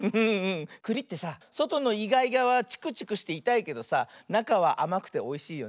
くりってさそとのイガイガはチクチクしていたいけどさなかはあまくておいしいよね。